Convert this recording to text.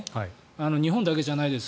日本だけじゃないです。